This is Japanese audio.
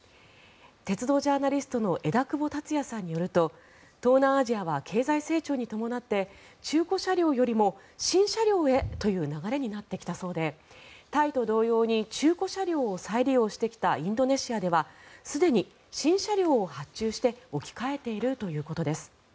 鉄道ジャーナリストの枝久保達也さんによると東南アジアは経済成長に伴って中古車両よりも新車両へという流れになってきたそうでタイと同様に中古車両を再利用してきたインドネシアではすでに新車両を発注して置き換えているということです。